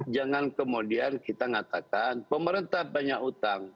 jangan kemudian kita mengatakan pemerintah banyak hutang